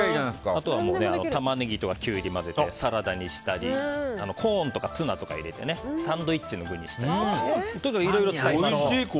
タマネギとかキュウリを混ぜてサラダにしたりコーンとかツナとか入れてサンドイッチの具にしたりいろいろ使えます。